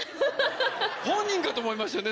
本人かと思いましたよね